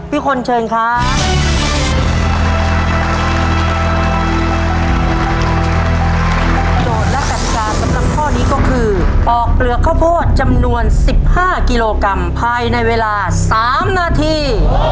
ลักษณะสำหรับข้อนี้ก็คือปอกเปลือกข้าวโพดจำนวน๑๕กิโลกรัมภายในเวลา๓นาที